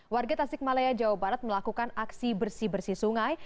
warga tasik malaya jawa barat melakukan aksi bersih bersih sungai